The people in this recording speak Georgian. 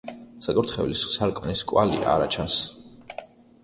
საკურთხევლის სარკმლის კვალი არა ჩანს.